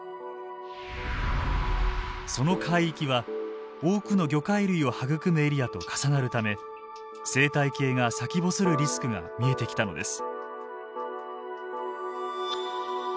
その海域は多くの魚介類を育むエリアと重なるため生態系が先細るリスクが見えてきたのです。